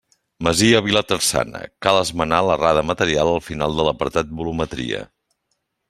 Masia Vilaterçana: cal esmenar l'errada material al final de l'apartat Volumetria.